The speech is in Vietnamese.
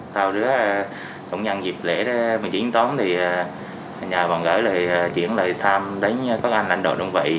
sau đó cũng nhận dịp lễ một mươi chín tóm thì nhà bằng gỡ lại chuyển lại thăm đến các anh đồng đội đơn vị